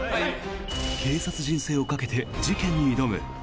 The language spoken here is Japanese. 警察人生をかけて事件に挑む。